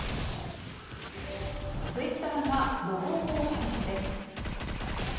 ツイッターがロゴを廃止です。